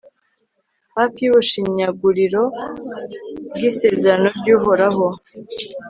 hafi y'ubushyinguro bw'isezerano ry'uhoraho